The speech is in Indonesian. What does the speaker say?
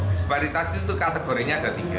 disparitas itu kategorinya ada tiga